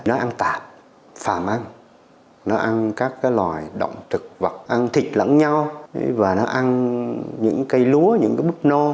nó ăn tạp phàm ăn nó ăn các loài động thực ăn thịt lẫn nhau và nó ăn những cây lúa những bức no